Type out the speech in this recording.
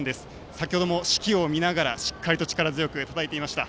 先程も指揮を見ながらしっかり力強くたたいていました。